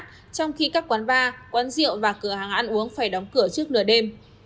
trong khi các quán bar quán rượu và cửa hàng ăn uống phải đóng cửa trước nửa đêm